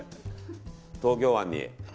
東京湾に。